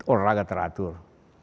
orang raga teratur